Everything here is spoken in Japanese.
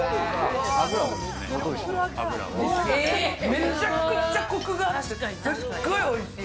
めちゃくちゃコクがあってすごいおいしい。